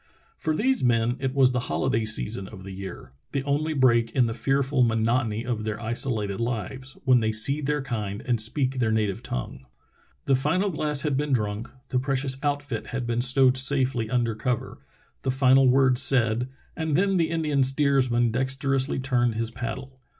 For these men it was the hoHday season of the year, the only break in the fearful monotony of their isolated lives, when they see their kind and speak their native tongue. The final glass had been drunk, the precious outfit* had been stowed safely under cover, the final word said, and then the Indian steersman dexterously turned his paddle.